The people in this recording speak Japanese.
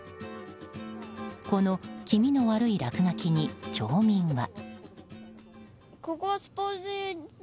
この気味の悪い落書きに町民は。